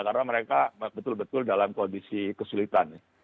karena mereka betul betul dalam kondisi kesulitan